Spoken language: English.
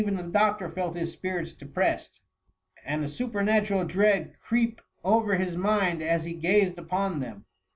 the doctor felt his spirits depressed, and a su pernatural dread creep over his mind as he gazed upon them.